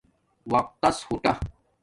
وقت تس ہوٹا